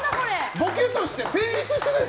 ボケとして成立してないよ